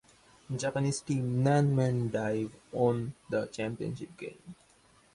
Japanese team Nanman Dive won the championship game.